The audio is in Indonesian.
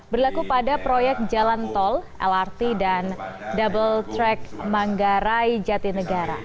berlaku pada proyek jalan tol lrt dan double track manggarai jatinegara